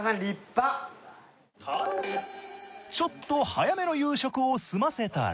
ちょっと早めの夕食を済ませたら。